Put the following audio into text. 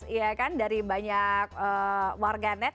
ya kan dari banyak warga net